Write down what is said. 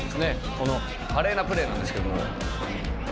この華麗なプレーなんですけども」